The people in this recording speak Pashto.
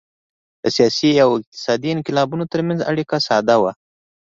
د سیاسي او اقتصادي انقلابونو ترمنځ اړیکه ساده وه